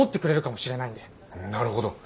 なるほど。